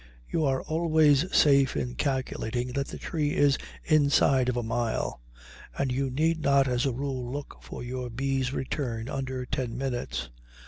You are always safe in calculating that the tree is inside of a mile, and you need not as a rule look for your bee's return under ten minutes.